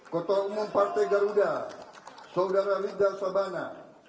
ketua umum partai garuda saudara liga sabana